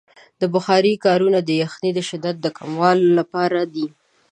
د بخارۍ کارونه د یخنۍ د شدت کمولو لپاره دی.